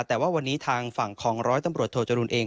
แต่ว่าวันนี้ทางฝั่งของร้อยตำรวจโทจรุลเอง